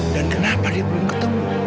dan kenapa dia belum ketemu